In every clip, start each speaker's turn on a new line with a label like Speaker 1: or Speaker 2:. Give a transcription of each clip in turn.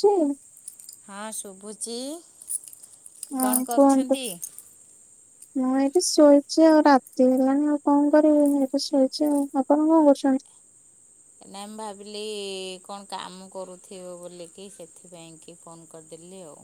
Speaker 1: ଛି।
Speaker 2: ହଁ ଶୁଭୁଛି।
Speaker 1: ହଁ,
Speaker 2: କଣ
Speaker 1: କୁହନ୍ତୁ।
Speaker 2: କରୁଛନ୍ତି [inaudible]
Speaker 1: ମୁଁ ଏଇଠି ଶୋଇଛି ଆଉ ରାତି ହେଲାଣି ଆଉ କଣ କରିବି ଏଇଠି ଶୋଇଛି ଆଉ ଆପଣ କଣ କରୁଛନ୍ତି।
Speaker 2: ନାଇଁ ମୁ ଭାବିଲି କଣ କାମ କରୁଥିବ ବୋଲିକି ସେଥିପାଇଁ କି ଫୋନ କରିଦେଲି ଆଉ।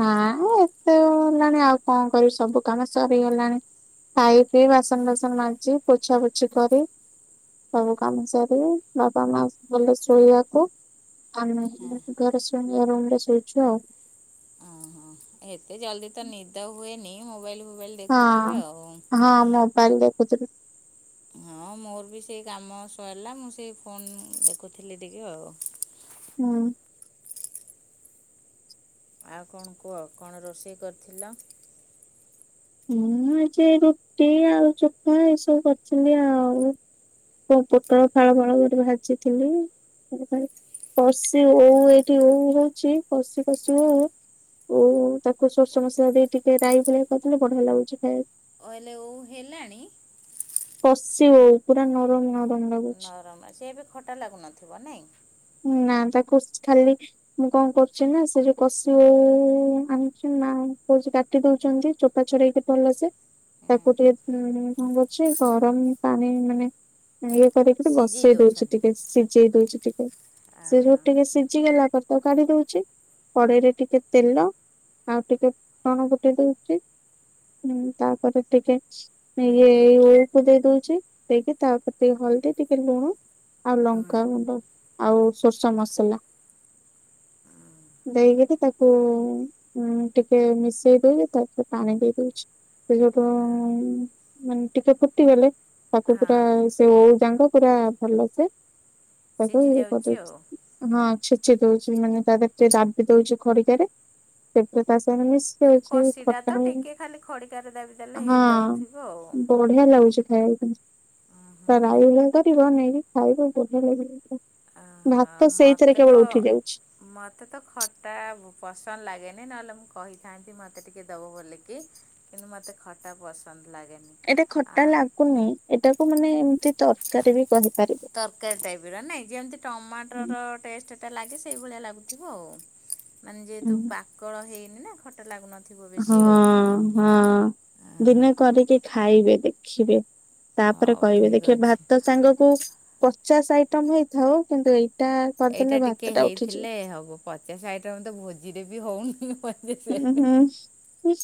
Speaker 1: ନା ଏତେ ହେଲାଣି ଆଉ କଣ କରିବି ସବୁ କାମ ସରିଗଲାଣି ଖାଇ ପିଇ ବାସନ ବାସନ ମାଜି ପୋଛା ପୋଛି କରି ସବୁ କାମ ସାରି ବାବା ମା ଗଲେ ଶୋଇବାକୁ ଆମେ ଘରେ ଶୋଇନୁ ରୁମରେ ଶୋଇଛୁ ଆଉ।
Speaker 2: ଓହୋ ଏତେ ଜଲ୍ଦି ତ ନିଦ ହୁଏନି ମୋବାଇଲ ଫୋବାଇଲ ଦେ
Speaker 1: ହଁ ହଁ ମୋବାଇଲ ଦେଖୁଥିଲୁ।
Speaker 2: ହଁ ମୋର ବି ସେଇ କାମ ସରିଲା ମୁଁ ସେଇ ଫୋନ୍ ଦେଖୁଥିଲି ଟିକେ ଆଉ।
Speaker 1: ହୁଁ।
Speaker 2: ଆଉ କଣ କୁହ କଣ ରୋଷେଇ କରିଥିଲ?
Speaker 1: ମୁଁ ଏ ରୁଟି ଆଉ ଚକା ଏସବୁ କରିଥିଲି ଆଉ। ହଁ ପୋଟଳ ଫାଳ ଫଳ ଟିକେ ଭାଜିଥିଲି କଶି ଓଉ ଏଇଠି ଓଉ ହଉଚି କଷି କଷି ଓଉ ଓଉ ତାକୁ ସୋରିଷ ମସଲା ଦେଇ ଟିକେ ରାଇ ଭଳି କରିଦେଲେ ବଢିଆ ଲାଗୁଛି ଖାଇବାକୁ।
Speaker 2: ଅଇଲେ ଓଉ ହେଲାଣି।
Speaker 1: କଶି ଓଉ ପୁରା ନରମ ନରମ ଲାଗ
Speaker 2: ନରମ ସେ ଏବେ ଖଟା ଲାଗୁନଥିବ ନାଇଁ।
Speaker 1: ନା ତାକୁ ଖାଲି ମୁଁ କଣ କରୁଛି ନା ସେ ଯୋଉ କଷି ଓଉ ଆଣିଛି ନାଇଁ କ କାଟି ଦଉଛନ୍ତି ଚୋପା ଛଡେଇକି ଭଲ ସେ ତାକୁ ଟିକେ କଣ କରୁଛି ଗରମ ପାଣି ମାନେ ଇଏ କରିକି
Speaker 2: ସିଝେଇ
Speaker 1: ବସେଇ ଦଉଛି
Speaker 2: ଦେଉଛନ୍ତି
Speaker 1: ଟିକେ ସିଝେଇ ଦଉଛି ଟିକେ ସେ
Speaker 2: ହଁ
Speaker 1: ଯୋଉ ଟିକେ ସିଝି ଗଲା ପରେ ତାକୁ କାଢି ଦଉଛି କଡେଇ ରେ ଟିକେ ତେଲ ଆଉ ଟିକେ ଫୁଟଣ ଫୁଟେଇ ଦଉଛି ଉଁ ତାପରେ ଟିକେ ଇଏ ଓଉ କୁ ଦେଇ ଦଉଛି ଦେଇକି ତାପ ଟିକେ ହଳଦୀ ଟିକେ ଲୁଣ ଆଉ
Speaker 2: ହଁ
Speaker 1: ଲଙ୍କାଗୁଣ୍ଡ ଆଉ ସୋରିଷ ମସଲା
Speaker 2: ହୁଁ।
Speaker 1: ଦେଇକିରି ତାକୁ ଉଁ ଟିକେ ମିଶେଇ ଦେଇକି ତାପରେ ପାଣି ଦେଇ ଦଉଚି। ସେ ଯୋଉଠୁ ମାନେ ଟିକେ ଫୁଟିଗଲେ ତାକୁ ପୁରା
Speaker 2: ହଁ
Speaker 1: ସେ ଓଉ ଯାକ ପୁରା ଭଲ ସେ ତାକୁ
Speaker 2: ସିଝି
Speaker 1: ଇଏ
Speaker 2: ଯାଉଛି
Speaker 1: କରିଦଉଚି।
Speaker 2: ଆଉ
Speaker 1: ହଁ ଛେଚି ଦଉଛି ମାନେ ତା ଦେହରେ ଟିକେ ଦାବି ଦଉଛି ଖଡିକା ରେ ସେ ପୁରା ତା ସାଙ୍ଗେ ମି
Speaker 2: ସେ
Speaker 1: [unintelligible]
Speaker 2: କଷିଟା
Speaker 1: ଖଟା
Speaker 2: ତ
Speaker 1: ଓଉ
Speaker 2: ଟିକେ ଖାଲି ଖଡ଼ିକାରେ ଦାବି ଦେଲେ
Speaker 1: ହଁ
Speaker 2: ହେଇଯାଉଥିବ ଆଉ।
Speaker 1: ବ ବଢିଆ ଲାଗୁଛି ଖାଇବା ପାଇଁ [unintelligible] ନେଇକି ଖାଇବ ବଢିଆ ଲାଗ
Speaker 2: ହଁ ହଁ ମତେ ତ
Speaker 1: ଉଠି ଯାଉଛି
Speaker 2: ମତେ ତ ଖଟା ପସନ୍ଦ ଲାଗେନି ନହେଲେ ମୁଁ କହିଥାନ୍ତି ମୋତେ ଟିକେ ଦେବ ବୋଲିକି କିନ୍ତୁ ମତେ ଖଟା ପସନ୍ଦ ଲାଗେନି।
Speaker 1: ଏଟା
Speaker 2: ଆ
Speaker 1: ଖଟା ଲାଗୁନି ଏଟାକୁ ମାନେ ଏମିତି ତରକାରୀ ବି କହି
Speaker 2: ତରକାରୀ ଟାଇପ ର ନାଇଁ ଯେମତି ଟମାଟର
Speaker 1: ହଁ
Speaker 2: ଟେଷ୍ଟଟା ଲାଗେ ସେଇଭଳିଆ ଲାଗୁଥିବ ଆଉ। ମାନେ ଯେହେତୁ ପାକଳ ହେଇନି ନା ଖଟା ଲାଗୁନ
Speaker 1: ହଁ ହଁ
Speaker 2: ଓହୋ
Speaker 1: ଦିନେ କରିକି ଖାଇବେ ଦେଖିବେ ତାପରେ
Speaker 2: ହଉ
Speaker 1: କହିବେ
Speaker 2: ଠିକ୍
Speaker 1: ଦେଖିବେ
Speaker 2: ଅଛି।
Speaker 1: ଭାତ ସାଙ୍ଗକୁ ପଚାଶ ଆଇଟମ ହେଇଥାଉ କିନ୍ତୁ ଏଇ
Speaker 2: ଏଇଟା ଟିକେ ହେଇଥିଲେ ହବ ପଚାଶ ଆଇଟମ ତ ଭୋଜିରେ ବି ହଉନି। ପଚାଶ
Speaker 1: ହୁଁ ହୁଁ
Speaker 2: ଆଇଟମ୍।
Speaker 1: ହୁଁ।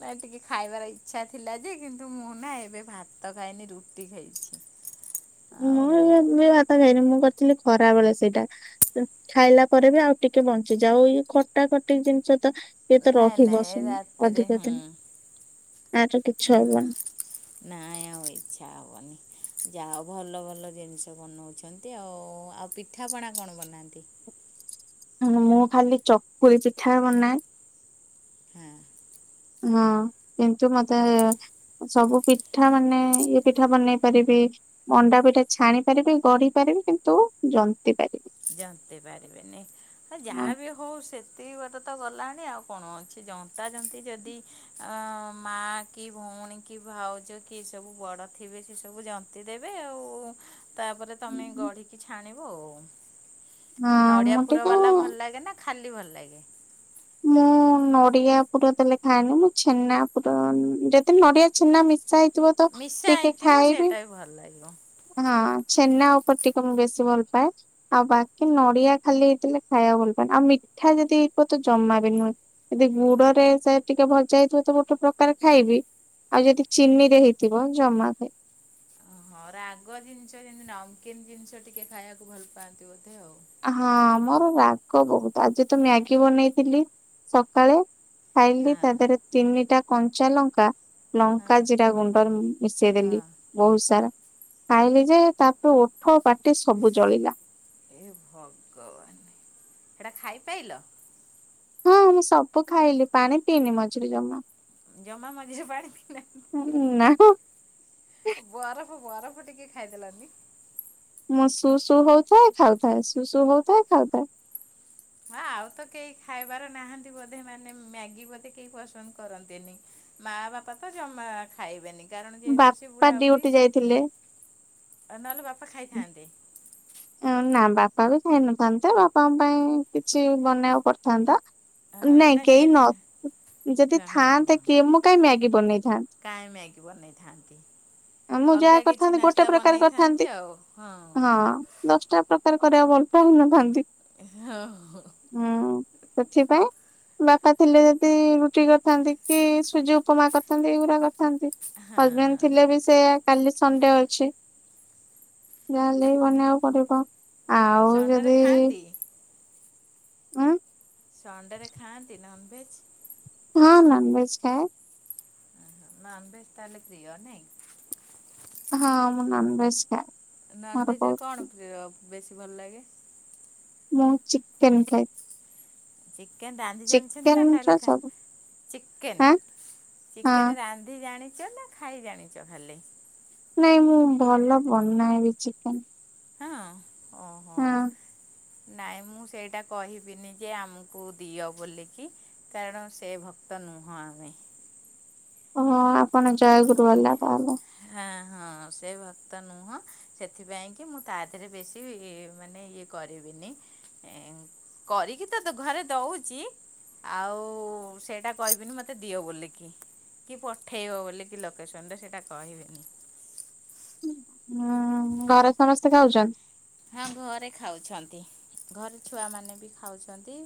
Speaker 2: ନା ଟିକେ ଖାଇବାର ଇଚ୍ଛା ଥିଲା ଯେ କିନ୍ତୁ ମୁଁ ନା ଏବେ ଭାତ ଖାଇନି ରୁଟି ଖାଇଚି। [unintelligible]
Speaker 1: ମୁଁ ଏ ଭାତ ଖାଇନି ମୁଁ କରିଥିଲି ଖରାବେଳେ ସେଇଟା। ଖାଇଲା ପରେ ବି ଆଉ ଟିକେ ବଞ୍ଚିଚି ଆଉ ଖଟା ଖଟି ଜିନିଷ ତ କିଏ ତ
Speaker 2: ନାଇଁ
Speaker 1: ରହିବ
Speaker 2: ନାଇଁ
Speaker 1: ଶୁଣି
Speaker 2: ରାତିରେ
Speaker 1: ଅଧିକ
Speaker 2: ହୁଁ
Speaker 1: ଦିନି ଆର୍ ତ କିଛି ହବନି।
Speaker 2: ନାଇଁ ଆଉ ଇଚ୍ଛା ହବନି ଯା ଭଲ ଭଲ ଜିନିଷ ବନଉଚନ୍ତି। ଏ ଆଉ ଆଉ ପିଠାପଣା କଣ ବନାନ୍ତି।
Speaker 1: ହୁଁ ମୁଁ ଖାଲି ଚକୁଳି ପିଠା ବନାଏ।
Speaker 2: ହଁ।
Speaker 1: ହଁ କିଁନ୍ତୁ ମତେ ସବୁ ପିଠା ମାନେ ଇଏ ପିଠା ବନେଇ ପାରିବି। ମଣ୍ଡା ପିଟା ଛାଣି ପାରିବି ଗଢି ପାରିବି କିନ୍ତୁ ଜନ୍ତି ପାରି
Speaker 2: ଜନ୍ତି ପାରିବିନି ହ
Speaker 1: ନା।
Speaker 2: ଯାହା ବି ହୋଉ। ହୋଉ ସେତିକ ବାଟ ତ ଗଲାଣି ଆଉ କଣ ଅଛି ଜନ୍ତା ଜନ୍ତି ଯେଦି ଅ ମା କି ଭଉଣୀ କି ଭାଉଜ କି ସବୁ ବଡ ଥିବେ ସେ ସବୁ ଜ ଜନ୍ତି ଦେବେ ଆଉ ତାପରେ ତମେ ଗଢ଼ିକି ଛାଣିବ ଆଉ।
Speaker 1: ହଁ
Speaker 2: ନଡ଼ିଆ
Speaker 1: ମୁଁ
Speaker 2: ପୁର ବାଲା
Speaker 1: ଟିକେ
Speaker 2: ଭଲ ଲାଗେ ନା ଖାଲି ଭଲ ଲାଗେ।
Speaker 1: ମୁଁ ନଡିଆ ପୁର ଦେଲେ ଖାଏନି ମୁଁ ଛେନା ପୁର ଯଦି ନଡିଆ ଛେନା ମିଶା ହେଇ ଥିବ ତ
Speaker 2: ମିଶା
Speaker 1: ଟିକେ
Speaker 2: ହେଇଥିବ
Speaker 1: ଖାଇବି
Speaker 2: ସେଇଟା ଭଲ ଲାଗିବ।
Speaker 1: ହଁ ଛେନା ଉପରେ ଟିକେ ମୁଁ ବେଶୀ ଭଲ ପାଏ। ଆଉ ବାକି ନଡିଆ ଖାଲି ହେଇଥିଲେ ଖାଇବାକୁ ଭଲ ପାନି ଆଉ ମିଠା ଯଦି ହେଇ କମତ ଜମା ବି ନୁହେଁ। ଯଦି ଗୁଡରେ ସେ ଟିକେ ଭଜା ହେଇଥିବ ତ ଗୋଟେ ପ୍ରକାର ଖାଇବି। ଆଉ ଯଦି ଚିନିରେ ହେଇଥିବ ଜମା ଖା
Speaker 2: ହଁ ରାଗ ଜିନିଷ ଯେମତି ନମକିନ୍ ଜିନିଷ ଟିକେ ଖାଇବାକୁ ଭଲ ପାଆନ୍ତି ବୋଧେ ଆଉ।
Speaker 1: ହଁ ମୋର ରାଗ ବୋହୁତ୍ ଆଜି ତ ମ୍ୟାଗି ବନେଇଥିଲି ସକାଳେ ଖାଇଲି
Speaker 2: ହଁ
Speaker 1: ତା ଦେହରେ ତିନିଟା କଞ୍ଚା ଲଙ୍କା
Speaker 2: ହଁ
Speaker 1: ଲଙ୍କା ଜିରା ଗୁଣ୍ଡରୁ ମିଶେଇଦେଲି।
Speaker 2: ହଁ
Speaker 1: ବୋହୁତ୍ ସାରା ଖାଇଲି ଯେ ତାପରେ ଓଠ ପାଟି ସବୁ ଜଳିଲା।
Speaker 2: ଏ ଭଗବାନେ ହେଡା ଖାଇପାଇଲ।
Speaker 1: ହଁ ମୁଁ ସବୁ ଖାଇଲି ପାଣି ପିଇନି ମଝିରେ ଜମା।
Speaker 2: ଜମା ମଝିରେ ପାଣି ପିଇନାନ୍ତି।
Speaker 1: ହୁଁ ନା ହଁ।
Speaker 2: ବରଫ ବରଫ ଟିକେ ଖାଇଦେଲନି।
Speaker 1: ମୁଁ ସୁ ସୁୁ ହୋଉଥାଏ ଖାଉଥାଏ ସୁ ସୁୁ ହୋଉଥାଏ ଖାଉଥାଏ।
Speaker 2: ନା ଆଉ ତ କେହି ଖାଇବାର ନାହାନ୍ତି ବୋଧେ ମାନେ ମ୍ୟାଗି ବୋଧେ କେହି ପସନ୍ଦ କରନ୍ତିନି। ମା ବାପା ତ ଜମା ଖାଇବେନି କାରଣ ଯେହେତୁ ସେ
Speaker 1: ବାପା
Speaker 2: ବୁଢ଼ା ବୁଢୀ
Speaker 1: ଡ୍ୟୁଟି
Speaker 2: ସି
Speaker 1: ଯାଇଥିଲେ
Speaker 2: ନହେଲେ ବାପା ଖାଇଥାନ୍ତେ।
Speaker 1: ନା ବାପା ବି ଖାଇନଥାନ୍ତେ ବାପାଙ୍କ ପାଇଁ କିଛି ବନେଇକୁ ପଡିଥାନ୍ତା।
Speaker 2: ହଁ
Speaker 1: ନାଇଁ
Speaker 2: ନା ସେ
Speaker 1: କେହି ନ ଯଦି ଥାଆନ୍ତେ କିଏ ମୁଁ କହିଁ ମ୍ୟାଗି ବନେଇଥାଆନ୍ତି।
Speaker 2: କାଇଁ ମ୍ୟାଗି ବନେଇଥାନ୍ତି।
Speaker 1: ମୁଁ
Speaker 2: ଅଲ୍
Speaker 1: ଯାହା
Speaker 2: ଗା କିଛି
Speaker 1: କରିଥାନ୍ତି ଗୋଟେ
Speaker 2: ନାସ୍ତା
Speaker 1: ପ୍ରକାର କରିଥାନ୍ତି।
Speaker 2: ବନେଇଥାନ୍ତି ଆଉ ହଁ।
Speaker 1: ଦଶଟା ପ୍ରକାର କରିବା ଭଲପାଉ ନାହାଁନ୍ତି।
Speaker 2: ହୋ ଓ ହୋ।
Speaker 1: ହୁଁ ସେଥିପାଇଁ ବାପା ଥିଲେ ଯେଦି ରୁଟି କରିଥାନ୍ତି କି ସୁଜି ଉ ଉପମା କରିଥାନ୍ତି ଏଇଗୁଡା କରିଥାନ୍ତି
Speaker 2: ହଁ
Speaker 1: ହଜବେଣ୍ଡ
Speaker 2: ହଁ
Speaker 1: ଥିଲେ ବି ସେୟା। କାଲି ସଣ୍ଡେ ଅଛି ଯାହାଲେ ବି ବନେଇଆକୁ ପଡିବ। ଆଉ
Speaker 2: ସଣ୍ଡେରେ
Speaker 1: ଯଦି
Speaker 2: ଖାଆନ୍ତି
Speaker 1: ଉୁଁ।
Speaker 2: ସଣ୍ଡେ ରେ ଖାଆନ୍ତି ନନ୍ ଭେଜ।
Speaker 1: ହଁ ନନଭେଜ ଖାଏ।
Speaker 2: ନନଭେଜ ତାହେଲେ ପ୍ରିୟ ନାଇଁ।
Speaker 1: ହଁ ମୁଁ ନନଭେଜ ଖାଏ। ମୋର
Speaker 2: ନନଭେଜରେ କଣ
Speaker 1: ବହୁତ
Speaker 2: ପ୍ରିୟ ବେଶୀ ଭଲଲାଗେ।
Speaker 1: ମୁଁ ଚିକେନ ଖାଏ।
Speaker 2: ଚିକେନ ରାନ୍ଧି
Speaker 1: ଚିକେନ
Speaker 2: ଜାଣିଛନ୍ତିନା
Speaker 1: ର
Speaker 2: ଖାଲି ଖାଆ
Speaker 1: ସବୁ
Speaker 2: ଚିକେନ
Speaker 1: ଆଁ ହଁ
Speaker 2: ଚିକେନ ରାନ୍ଧି ଜାଣିଚନା ଖାଇ ଜାଣିଚ ଖାଲି।
Speaker 1: ନାଇଁ ମୁଁ ଭଲ ବନାଏବି ଚିକେନ।
Speaker 2: [unintelligible] ହଁ ଓହୋ।
Speaker 1: ହଁ।
Speaker 2: ନାଇଁ ମୁଁ ସେଇଟା କହିବିନିଯେ ଆମକୁ ଦିଅ ବୋଲିକି। କାରଣ ସେ ଭକ୍ତ ନୁହଁ ଆମେ।
Speaker 1: ଓହୋ ଆପଣ ଜୟାଗୁରୁ ବାଲା ତାହେଲେ।
Speaker 2: ହାଁ ହଁ ସେ ଭକ୍ତ ନୁହଁ। ସେଥିପାଇଁକି ମୁଁ ତା ଦେହରେ ବେଶୀ ଇ ଇ ମାନେ ଇଏ କରିବିନି। ଏଁ କରିକିତ ଘରେ ଦଉଚି। ଆଉ ସେଇଟା କହିବିନି ମତେ ଦିଅ ବୋଲକିି। କି ପଠେଇବ ବୋଲିକି ଲୋକେସନଟା ସେଇଟା କହିବିନି।
Speaker 1: ହଁ ହଁ ଘରେ ସମସ୍ତେ ଖାଉଛନ୍ତି।
Speaker 2: ହଁ ଘରେ ଖାଉଛନ୍ତି ଘରେ ଛୁଆମାନେବି ଖାଉଛନ୍ତି।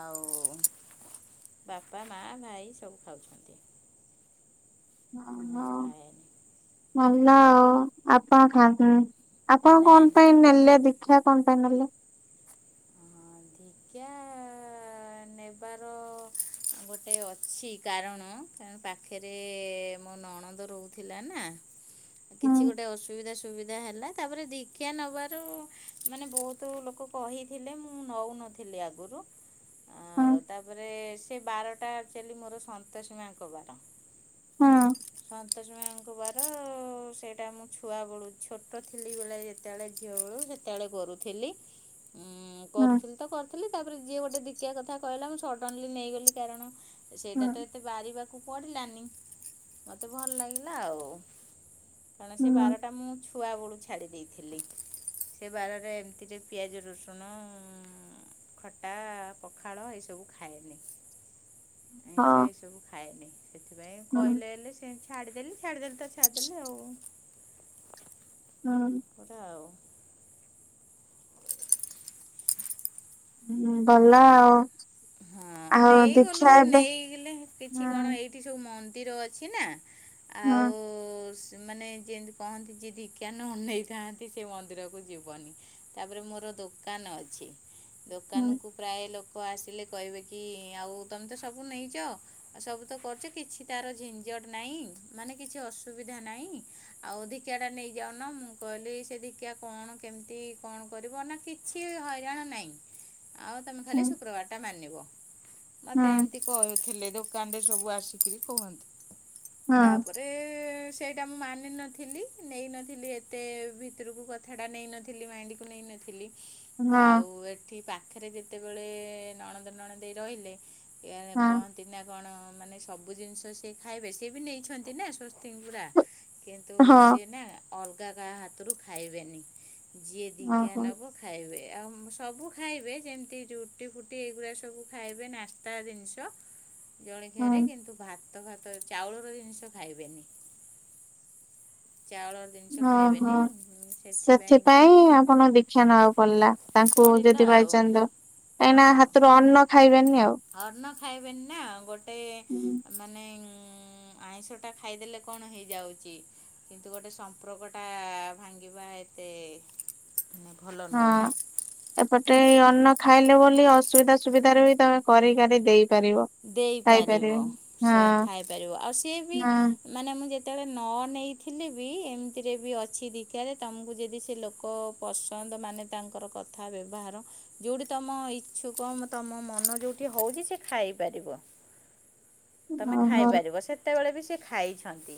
Speaker 2: ଆଉ ବାପା ମା ଭାଇ ସବୁ ଖାଉଛନ୍ତି।
Speaker 1: ଓହ
Speaker 2: କିନ୍ତୁ ମୁଁ ଖାଏନି
Speaker 1: ଭଲ ଆଉ ଆପଣ ଖାଆନ୍ତିନି। ଆପଣ
Speaker 2: ନାଇଁ
Speaker 1: କଣ
Speaker 2: ନାଇଁ
Speaker 1: ପାଇଁ ନେଲେ ଦୀକ୍ଷା କଣ ପାଇଁ ନେଲେ?
Speaker 2: କ୍ୟା ଆ ଆ ଆ ଆଁ ନେବାର ଗୋଟେ ଅଛି କାରଣ ପା ଖରେ ମୋ ନଣନ୍ଦ ରହୁଥିଲାନା।
Speaker 1: ହୁଁ
Speaker 2: କିଛି ଗୋଟେ ଅସୁବିଧା ସୁବିଧା ହେଲା ତାପରେ ଦି କ୍ଷା ନେବାରୁ ମାନେ ବହୁତ ଲୋକ କହିଥିଲେ ମୁଁ ନଉନଥିଲି ଆଗରୁ।
Speaker 1: ହୁଁ
Speaker 2: ଆଉ ତାପରେ ସେ ବାରଟା ଆକ୍ଚୁଆଲି ମୋର ସନ୍ତୋଷୀ ମାଙ୍କବାର।
Speaker 1: ହୁଁ
Speaker 2: ସନ୍ତୋଷୀ ମାଙ୍କବାର। ତ ସେଇଟା ମୁଁ ଛୁଆବେଳୁ ଛୋଟଥିଲି ବୋଲେ ଯେତେବେଳେ ଝିଅବେଳୁ ସେତେବେଳେ କରୁଥିଲି। [inaudible] ଉୁଁ
Speaker 1: ହୁଁ
Speaker 2: କରୁଥିଲିତ କରୁଥିଲି ତାପରେ ଯିଏ ଗୋଟେ ଦିକ୍ଷା କଥା କହିଲା ମୁଁ ସଡନଲି ନେଇଗଲି କାରଣ
Speaker 1: ହୁଁ
Speaker 2: ସେଇଟାତ ଏତେ ବାହାରିବାକୁ ପଡିଲାନି ମୋତେ ଭଲଲାଗିଲା ଆଉ। ଏଣେ ସେ
Speaker 1: ହୁଁ
Speaker 2: ବାରଟା ମୁଁ। ଛୁଆବୋଳୁ ଛାଡି ଦେଇେଇଥିଲି ସେ ବାରଟାରେ ଏମିତିରେ ପିଆଜ ରସୁଣ। ଖଟା ପଖାଳ ଏଇସବୁ ଖାଏନି
Speaker 1: ହଁ
Speaker 2: ଏସବୁ ଖାଏନି। ସେଥିପାଇଁ
Speaker 1: ହୁଁ
Speaker 2: କହିଲେ ହେଲେ ସେ ଛାଡିଦେଲି ଛାଡିଦେଲିତ ଛାଡିଦେଲି ଆଉ।
Speaker 1: ହଁ।
Speaker 2: ଥାଉ।
Speaker 1: ହୁଁ ଭଲ ଆଉ।
Speaker 2: ହଁ
Speaker 1: ଆଉ
Speaker 2: ନେଇଗଲୁ
Speaker 1: ଦୀକ୍ଷା ଏବେ
Speaker 2: ନେଇଗଲେ କିଛି କଣ
Speaker 1: ହୁଁ
Speaker 2: ଏଇ ଏଠିସବୁ ମନ୍ଦିର ଅଛିନା ଆଉ
Speaker 1: ହୁଁ
Speaker 2: ଉୁଁ ଉୁଁ ମାନେ। ଯେମିତି କହନ୍ତି ଯିଏ ଦିକ୍ଷା ନୁ ଅନେଇଥାନ୍ତି ସେ ମନ୍ଦିରକୁ ଯିବନି। ତାପରେ ମୋର ଦୋକାନ ଅଛି ଦୋକାନ
Speaker 1: ହୁଁ
Speaker 2: କୁ ପ୍ରାୟ ଲୋକ ଆସିଲେ କହିବେ କି-ଇ-ଇ ଆଉ ତମେ ତ ସବୁ ନେଇଛ ଆ ସବୁ ତ କରୁଛ କିଛି ତାର ଝିନ୍ ଝଟ୍ ନାହିଁ ମାନେ କିଛି ଅସୁବିଧା ନାହିଁ। ଆଉ ଦିକ୍ଷା ଟା ନେଇଯାଉନ ମୁଁ କହିଲି ସେ ଦିକ୍ଷା କଣ କେମିତି କଣ କରିବ ନା କିଛି ହଇରାଣ ନାଇଁ। ଆଉ ତମେ ଖାଲି
Speaker 1: ହୁଁ
Speaker 2: ଶୁକ୍ରବାର ଟା ମାନିବ
Speaker 1: ହୁଁ
Speaker 2: ମତେ ଏମତି କରୁଥିଲେ ଦୋକାନରେ ସବୁ ଆସିକିରି କୁହନ୍ତି
Speaker 1: ହଁ
Speaker 2: ତାପରେ-ଏ-ଏ-ଏ ସେ ଟା ମୁଁ ମାନିନଥିଲି ନେଇନଥିଲି ଏତେ ଭିତରକୁ କଥାଟା ନେଇନଥିଲି ମାଇଣ୍ଡ କୁ ନେଇ ଥିଲି
Speaker 1: ହଁ
Speaker 2: ଆଉ ଏଠି ପାଖରେ ଯେତେବେଳେ-ଏ-ଏ ନଣଦ ନଣଦେଇ ରହିଲେ କେଣେ
Speaker 1: ହଁ
Speaker 2: ପହଞ୍ଚ ତିନା କଣ ମାନେ ସବୁ ଜିନିଷ ସିଏ ଖାଇବେ ସିଏ ବି ନେଇଛନ୍ତି ନା ସ୍ବସ୍ତିଗ୍ ପୁରା କିନ୍ତୁ
Speaker 1: ହଁ
Speaker 2: ସିଏ ନା ଅଲଗା କାହା ହାତରୁ ଖାଇବେନି ଯିଏ ଦିକ୍ଷା
Speaker 1: ଓହୋ
Speaker 2: ନବ ଖାଇବେ ଆଉ ମ୍ ସବୁ ଖାଇବେ ଯେମିତି ରୁଟି ଫୁ ଟି ଏଗୁରା ସବୁ ଖାଇବେ ନାସ୍ତା ଜିନିଷ
Speaker 1: ହଁ
Speaker 2: ଜଳଖିଆରେ କିନ୍ତୁ ଭା ତ ଫାତ ଚାଉଳର ଜିନିଷ ଖାଇବେନି ଚାଉଳ ଜିନିଷ
Speaker 1: ଓ ହୋ
Speaker 2: ଖାଇବେନି ଉଁ, ସେଥିପାଇଁ କି
Speaker 1: ସେଥିପାଇଁ-ଇ-ଇ-ଇ ଆପଣ ଦୀକ୍ଷା ନବାକୁ ପଡିଲା। ତାଙ୍କୁ
Speaker 2: ପଡ଼ିଲା
Speaker 1: ଯଦି
Speaker 2: ଆଉ
Speaker 1: ବାଇଚାନ୍ଦ କାହିଁନା
Speaker 2: ହଁ
Speaker 1: ହାତରୁ ଅନ୍ନ ଖାଇବେନି ଆଉ।
Speaker 2: ଅନ୍ନ ଖାଇବେନି ନା ଗୋଟେ-ଏ-ଏ
Speaker 1: [unintelligible]
Speaker 2: ମାନେ-ଏ-ଏ-ଏ ଉମ୍-ମ୍ ଆଇଁଷଟା ଖାଇଦେଲେ କଣ ହେଇଯାଉଚି କିନ୍ତୁ ଗୋଟେ ସମ୍ପର୍କ ଟା-ଆ-ଆ-ଆ ଭାଙ୍ଗିବା ଏତେ ହୁଁ
Speaker 1: ହଁ। ଏପଟେ ଅନ୍ନ ଖାଇଲେ ବୋଲି ଅସୁବିଧା ସୁବିଧାରେ ବି ତମେ କରେଇ କାରେଇ ଦେଇପାରିବ। ଖାଇପାରିବେ
Speaker 2: ଦେଇପାରିବ ସେ
Speaker 1: ହଁ
Speaker 2: ଖାଇପାରିବ ଆଉ ସିଏ ବି
Speaker 1: ହଁ
Speaker 2: ମାନେ ମୁଁ ଯେତେବେଳେ ନ ନେଇଥିଲେ ବି ଏମିତିରେ ବି ଅଛି ଦୀକ୍ଷାରେ ତମକୁ ଯଦି ସେ ଲୋକ-ଅ-ଅ ପସନ୍ଦ ମାନେ ତାଙ୍କର କଥା, ବ୍ୟବହାର ଯୋଉଠି ତମ ଇଛୁକ ତମ ମନ ଯୋଉଠି ହଉଛି ସେ ଖାଇ ପାରିବ ତମେ
Speaker 1: ଓହୋ।
Speaker 2: ଖାଇପାରିବ ସେଥି ତେବେଳେ ବି ସେ ଖାଇଛନ୍ତି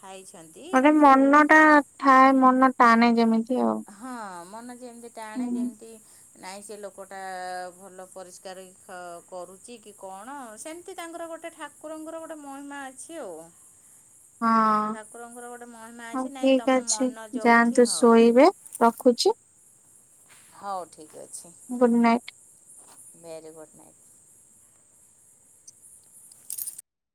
Speaker 2: ଖାଇଛନ୍ତି
Speaker 1: ଗୋଟେ
Speaker 2: କିନ୍ତୁ-ଉ
Speaker 1: ମନ ଟା ଥାଏ ମନ ଟାଣେ ଯେମିତି ଆଉ।
Speaker 2: ହଁ ମନ ଯେମିତି ଟାଣେ
Speaker 1: ହଁ
Speaker 2: ଯେମିତି ନାଇଁ ସେ ଲୋକଟା-ଆ-ଆ-ଆ ଭଲ ପରିଷ୍କାର ହେଇ କ କରୁଛି କି କଣ ସେମିତି ତାଙ୍କର ଗୋଟେ ଠା କୁରଙ୍କର ଗୋଟେ ମହିମା ଅଛି ଆଉ। ଠାକୁରଙ୍କର ଗୋଟେ ମହିମା
Speaker 1: ହଉ
Speaker 2: ଅଛି ନାଇଁ
Speaker 1: ଠିକ
Speaker 2: ତମ
Speaker 1: ଅଛି
Speaker 2: ମନ
Speaker 1: ଯାଆନ୍ତୁ
Speaker 2: ଯୋଉଠି ହଉ।
Speaker 1: ଶୋଇବେ ରଖୁଛି?
Speaker 2: ହଉ ଠିକ୍ ଅଛି।
Speaker 1: Good night.
Speaker 2: Very good night.